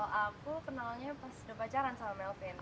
kalau aku kenalnya pas udah pacaran sama melvin